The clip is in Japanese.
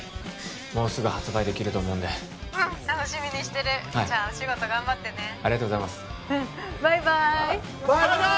もうすぐ発売できると思うんで☎うん楽しみにしてる☎じゃあお仕事頑張ってねありがとうございますうんバイバーイバイバイ！